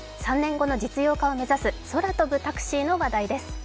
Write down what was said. ３年後の実用化を目指す空飛ぶタクシーの話題です。